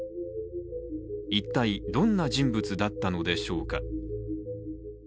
一体どんな人物だったのでしょうか？